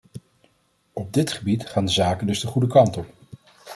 Op dit gebied gaan de zaken dus de goede kant op.